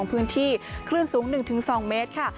สวัสดีค่ะพบกับช่วงนี้สวัสดีค่ะ